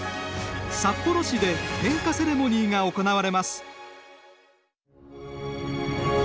札幌市で点火セレモニーが行われます。